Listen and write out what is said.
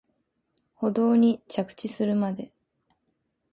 舗道に着地するまで